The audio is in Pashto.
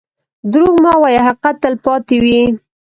دروغ مه وایه، حقیقت تل پاتې وي.